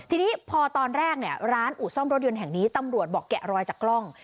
ทีนี้พอตอนแรกเนี่ยร้านอู่ซ่อมรถยนต์แห่งนี้ตำรวจบอกแกะรอยจากกล้อง